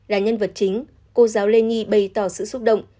là nhân vật chính cô giáo lê nhi bày tỏ sự xúc động